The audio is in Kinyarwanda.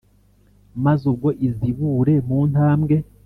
maze ubwo izibure mu ntambwe